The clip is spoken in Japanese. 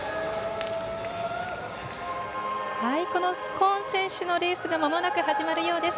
コーン選手のレースがまもなく始まるようです。